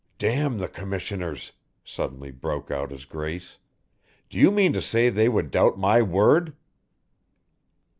"Damn the Commissioners," suddenly broke out his Grace. "Do you mean to say they would doubt my word?"